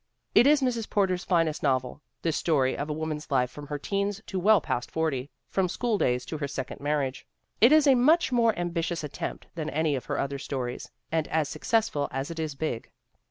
) It is Mrs. Porter's finest novel, this story of a woman's life from her teens to well past fortyXfrom school days to her second marriage./ It is a much more ambitious attempt than any of her other stories and as successful as it is big.